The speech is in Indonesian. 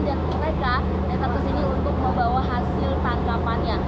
dan mereka datang ke sini untuk membawa hasil tangkapannya